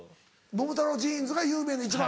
桃太郎ジーンズが有名なの一番。